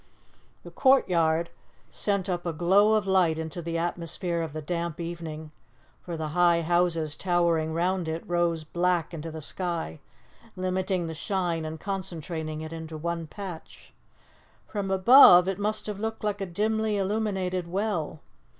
The courtyard sent up a glow of light into the atmosphere of the damp evening, for the high houses towering round it rose black into the sky, limiting the shine and concentrating it into one patch. From above, it must have looked like a dimly illuminated well.